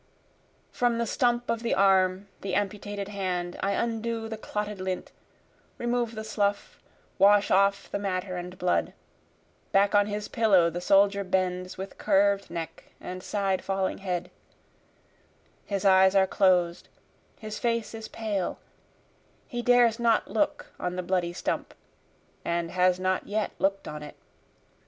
From the stump of the arm, the amputated hand, I undo the clotted lint, remove the slough, wash off the matter and blood, Back on his pillow the soldier bends with curv'd neck and side falling head, His eyes are closed, his face is pale, he dares not look on the bloody stump, And has not yet look'd on it.